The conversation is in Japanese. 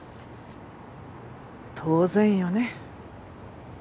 当然よね。